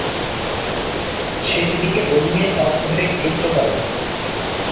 শেষদিকে বোলিংয়ে off break যুক্ত করেন।